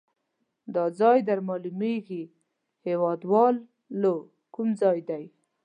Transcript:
دا ځای در معلومیږي هیواد والو کوم ځای ده؟